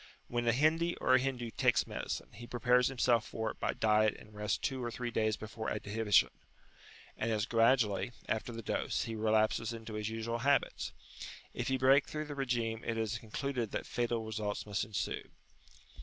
When an Hindi or a Hindu "takes medicine," he prepares himself for it by diet and rest two or three days before adhibition, and as gradually, after the dose, he relapses into his usual habits; if he break through the regime it is concluded that fatal results must ensue.